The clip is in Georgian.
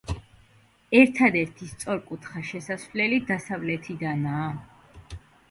ერთადერთი, სწორკუთხა შესასვლელი დასავლეთიდანაა.